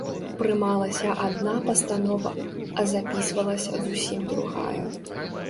Прымалася адна пастанова, а запісвалася зусім другая.